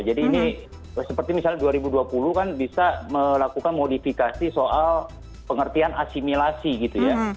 jadi ini seperti misalnya dua ribu dua puluh kan bisa melakukan modifikasi soal pengertian asimilasi gitu ya